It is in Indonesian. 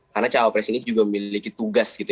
karena cawa pres ini juga memiliki tugas gitu